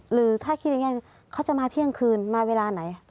หรือถ้าคิดง่ายเขาจะมาเที่ยงคืนมาเวลาไหน